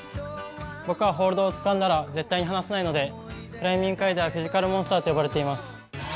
僕はホールドをつかんだら絶対に離さないのでクライミング界ではフィジカルモンスターと呼ばれています。